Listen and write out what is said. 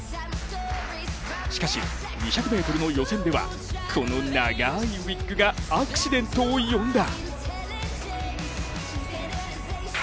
しかし、２００ｍの予選ではこの長いウイッグがアクシデントを呼んだ。